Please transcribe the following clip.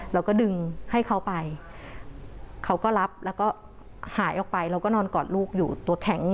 เราก็ดึงให้เขาไปเขาก็รับแล้วก็หายออกไปเราก็นอนกอดลูกอยู่ตัวแท้ง